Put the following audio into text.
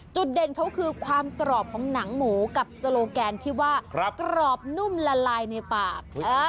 จุดเด่นเขาคือความกรอบของหนังหมูกับโซโลแกนที่ว่ากรอบนุ่มละลายในปาก